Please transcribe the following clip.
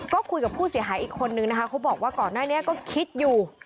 ก็คุยกับผู้เสียหายอีกคนนึงนะคะเขาบอกว่าก่อนหน้านี้ก็คิดอยู่